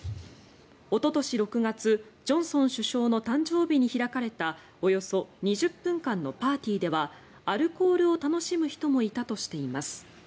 おととし６月、ジョンソン首相の誕生日に開かれたおよそ２０分間のパーティーではアルコールを楽しむ人もいたとしています。